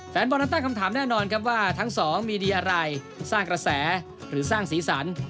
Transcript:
แฟนบอลนั้นตั้งคำถามแน่นอนครับว่าทั้งสองมีดีอะไรสร้างกระแสหรือสร้างสีสัน